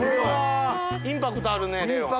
インパクトあるね。